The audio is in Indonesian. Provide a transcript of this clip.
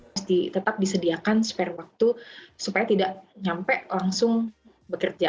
mesti tetap disediakan spare waktu supaya tidak sampai langsung bekerja